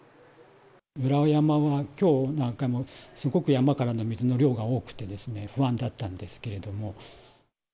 裏山がきょうなんかも、すごく山からの水の量が多くてですね、不安だったんですけれども。